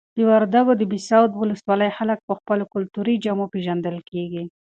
د وردګو د بهسود ولسوالۍ خلک په خپلو کلتوري جامو پیژندل کیږي.